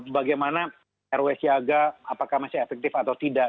bagaimana rw siaga apakah masih efektif atau tidak